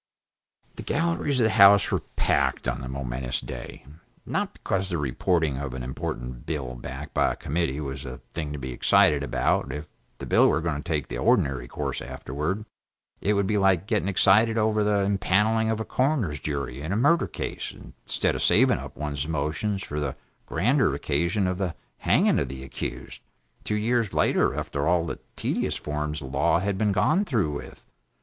The galleries of the House were packed, on the momentous day, not because the reporting of an important bill back by a committee was a thing to be excited about, if the bill were going to take the ordinary course afterward; it would be like getting excited over the empaneling of a coroner's jury in a murder case, instead of saving up one's emotions for the grander occasion of the hanging of the accused, two years later, after all the tedious forms of law had been gone through with.